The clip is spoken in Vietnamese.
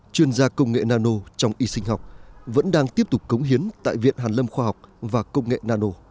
chuyên gia công nghệ nano trong y sinh học vẫn đang tiếp tục cống hiến tại viện hàn lâm khoa học và công nghệ nano